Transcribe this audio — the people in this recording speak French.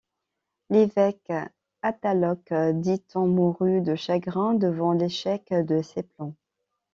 L'évêque Athaloc, dit-on, mourut de chagrin devant l'échec de ses plans.